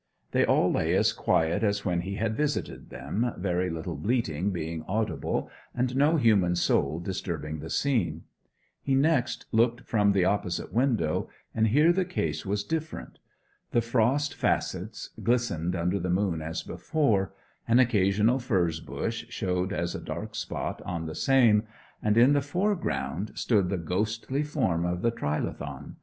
They all lay as quiet as when he had visited them, very little bleating being audible, and no human soul disturbing the scene. He next looked from the opposite window, and here the case was different. The frost facets glistened under the moon as before; an occasional furze bush showed as a dark spot on the same; and in the foreground stood the ghostly form of the trilithon.